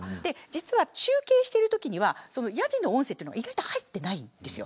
実は中継してるときにはやじの音声は意外と入ってないんですよ。